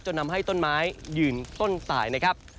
ทำให้ต้นไม้ยืนต้นตายนะครับ